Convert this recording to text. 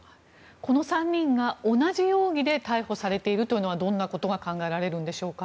この３人が同じ容疑で逮捕されているというのはどんなことが考えられるんでしょうか？